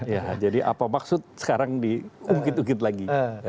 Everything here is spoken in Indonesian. ya jadi apa maksud sekarang diungkit ungkit lagi